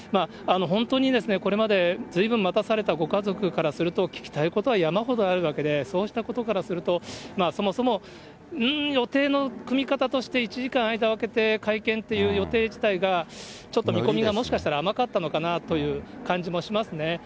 本当にこれまでずいぶん待たされたご家族からすると、聞きたいことは山ほどあるわけで、そうしたことからすると、そもそも、うーん、予定の組み方として、１時間、間を空けて会見っていう予定自体がちょっと見込みが、もしかしたら甘かったのかなという感じもしますね。